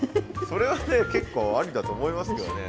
それはね結構ありだと思いますけどね。